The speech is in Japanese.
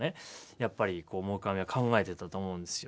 やっぱり黙阿弥は考えてたと思うんですよ。